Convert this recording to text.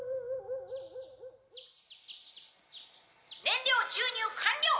「燃料注入完了！」